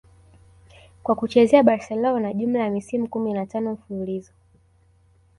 kwa kuchezea Barcelona jumla ya misimu kumi na tano mfululizo